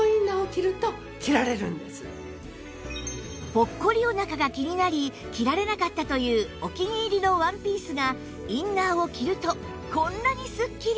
ぽっこりお腹が気になり着られなかったというお気に入りのワンピースがインナーを着るとこんなにすっきり！